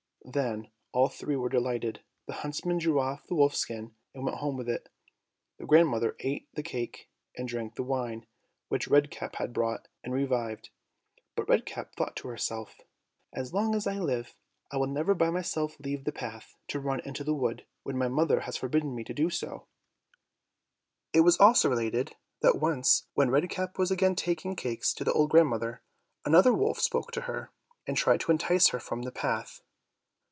Then all three were delighted. The huntsman drew off the wolf's skin and went home with it; the grandmother ate the cake and drank the wine which Red Cap had brought, and revived, but Red Cap thought to herself, "As long as I live, I will never by myself leave the path, to run into the wood, when my mother has forbidden me to do so." It is also related that once when Red Cap was again taking cakes to the old grandmother, another wolf spoke to her, and tried to entice her from the path.